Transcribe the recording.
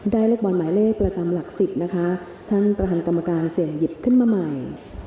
ลูกบอลหมายเลขประจำหลักสิบนะคะท่านประธานกรรมการเสี่ยงหยิบขึ้นมาใหม่